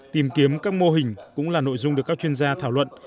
tìm kiếm các mô hình cũng là nội dung được các chuyên gia thảo luận